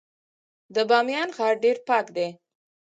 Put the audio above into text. د بامیان ښار ډیر پاک دی